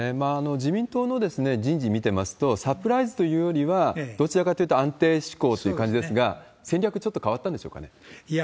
自民党の人事見ていますと、サプライズというよりは、どちらかというと安定志向という感じですが、戦略、ちょっと変わいや、